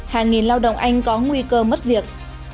hàng nghìn lao động anh có nguy cơ mất việc